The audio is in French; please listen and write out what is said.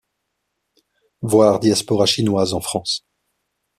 Voir Diaspora chinoise en France.